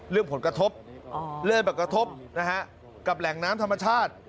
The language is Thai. เรื่องผลกระทบกับแหล่งน้ำธรรมชาติ